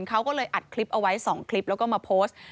เขาก็เลยอัดคลิปเอาไว้๒คลิปแล้วก็มาโพสต์